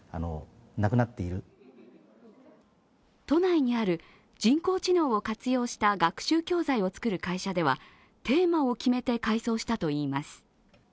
都内にある人工知能を活用した学習教材を作る会社ではテーマを決めて改装したといいます。